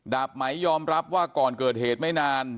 ไหมยอมรับว่าก่อนเกิดเหตุไม่นาน